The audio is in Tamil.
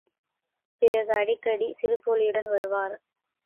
பிறகு அடிக்கடி சிரிப்பொலியுடன் வருவார்.